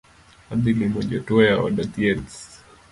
Adhi limo jatuo e od thieth